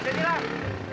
aduh dia hilang